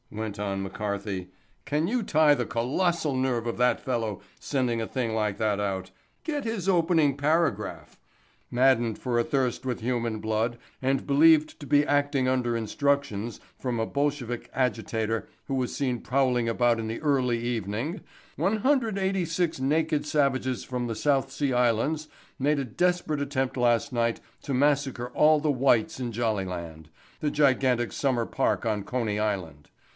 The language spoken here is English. went on McCarthy. "Can you tie the colossal nerve of that fellow sending a thing like that out? Get his opening paragraph: "'Maddened with a thirst for human blood and believed to be acting under instructions from a Bolshevik agitator who was seen prowling about in the early evening 186 naked savages from the South Sea Islands made a desperate attempt last night to massacre all the whites in Jollyland, the gigantic summer park on Coney Island.